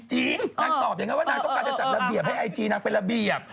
จริงนางตอบอย่างนั้นว่านางต้องการจะจัดระเบียบให้ไอจีนางเป็นระเบียบ